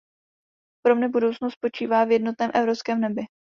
Pro mne budoucnost spočívá v jednotném evropském nebi.